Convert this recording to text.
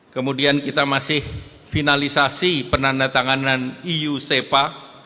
kemudian kita masih finalisasi penandatanganan eu sepa